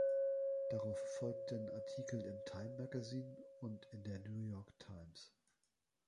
'" Darauf folgten Artikel im „Time“-Magazin und in der „New York Times“.